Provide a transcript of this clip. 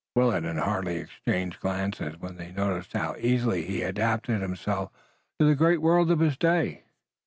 Willet and Hardy exchanged glances when they noticed how easily he adapted himself to the great world of his day.